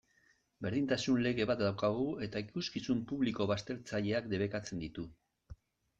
Berdintasun lege bat daukagu, eta ikuskizun publiko baztertzaileak debekatzen ditu.